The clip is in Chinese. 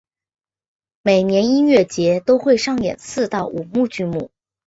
每年音乐节都会上演四到五幕剧目。